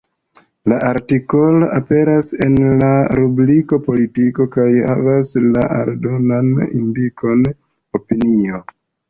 La artikolo aperas en la rubriko “Politiko” kaj havas la aldonan indikon “Opinio”.